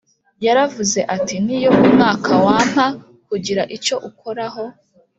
yaravuze ati niyo umwaka w ampa kugira icyo ukoraho